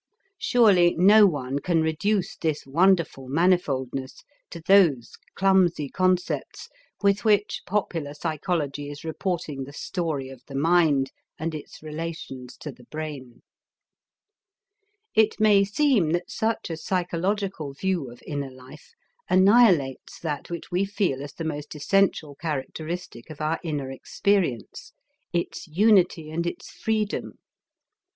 Surely no one can reduce this wonderful manifoldness to those clumsy concepts with which popular psychology is reporting the story of the mind and its relations to the brain. It may seem that such a psychological view of inner life annihilates that which we feel as the most essential characteristic of our inner experience, its unity and its freedom.